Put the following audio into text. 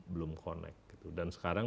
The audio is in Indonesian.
belum connect dan sekarang